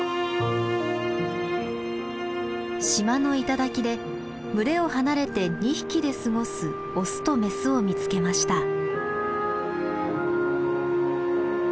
島の頂きで群れを離れて２匹で過ごすオスとメスを見つけました。